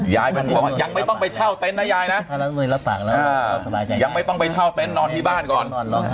บอกว่ายังไม่ต้องไปเช่าเต็นต์นะยายนะยังไม่ต้องไปเช่าเต็นต์นอนที่บ้านก่อน